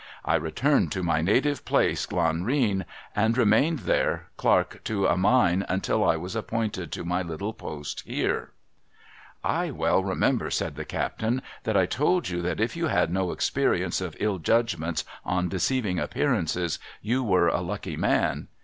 I returned to my native place, Lanrean, and remained there, clerk to a mine, until I was appointed to my little post here.' MR. TREGARTHEN REQUIRES PROOF 247 ' I well remember,' said the captain, ' that I told you that if you had 110 experience of ill judgments on deceiving appearances, you were a lucky man.